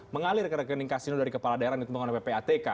mengalir ke rekening kasino dari kepala daerah nitmukono ppatk